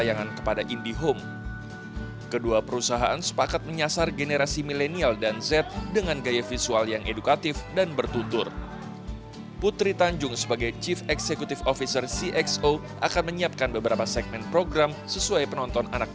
jadi sebenarnya kalau outputnya apa outputnya pasti konten campaign dan turunannya